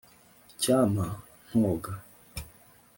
Icyampa nkoga